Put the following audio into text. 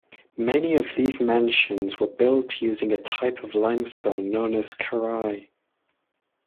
Many of these mansions were built using a type of limestone known as karai.